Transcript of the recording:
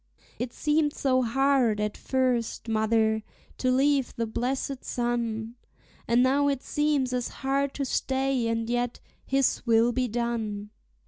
It seemed so hard at first, mother, to leave the blessed sun, And now it seems as hard to stay; and yet, His will be done!